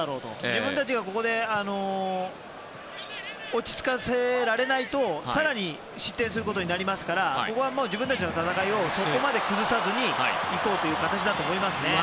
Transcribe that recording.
自分たちがここで落ち着かせられないと更に失点することになりますからここは自分たちの戦いをそこまで崩さずに行こうという形だと思います。